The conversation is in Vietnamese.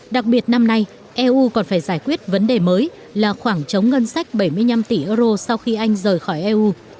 đặc biệt năm nay eu còn phải giải quyết vấn đề mới là khoảng trống ngân sách bảy mươi năm tỷ euro sau khi anh rời khỏi eu